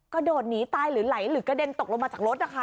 กระโดดหนีตายหรือไหลหรือกระเด็นตกลงมาจากรถนะคะ